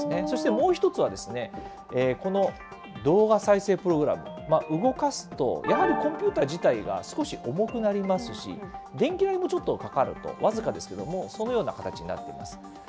そしてもう一つは、この動画再生プログラム、動かすと、やはりコンピューター自体が少し重くなりますし、電気代もちょっとかかると、僅かですけれども、そのような形になると思います。